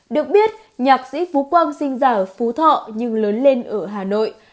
được biết nhạc sĩ phú quang sinh ra ở phú thọ nhưng lớn lên ở hà nội